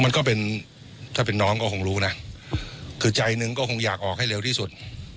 มันก็เป็นถ้าเป็นน้องก็คงรู้นะคือใจหนึ่งก็คงอยากออกให้เร็วที่สุด